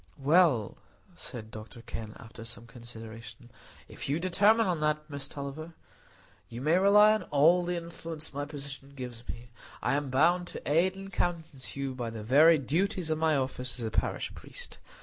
"Well," said Dr Kenn, after some consideration, "if you determine on that, Miss Tulliver, you may rely on all the influence my position gives me. I am bound to aid and countenance you by the very duties of my office as a parish priest.